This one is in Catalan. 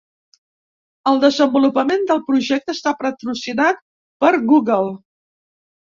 El desenvolupament del projecte està patrocinat per Google.